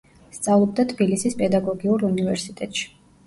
სწავლობდა თბილისის პედაგოგიურ უნივერსიტეტში.